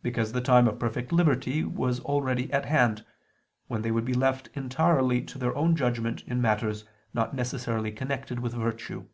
Because the time of perfect liberty was already at hand, when they would be left entirely to their own judgment in matters not necessarily connected with virtue.